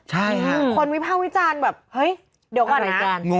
ใช่ค่ะคนวิภาควิจารณ์แบบเฮ้ยเดี๋ยวก่อนนะอาจารย์